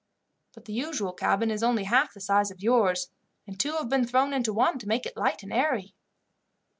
But the usual cabin is only half the size of yours, and two have been thrown into one to make it light and airy."